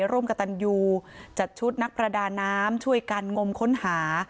ร่วมกับตันยูจัดชุดนักประดาน้ำช่วยกันงมค้นหา